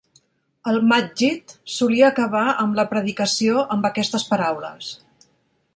El "maggid" solia acabar amb la predicació amb aquestes paraules.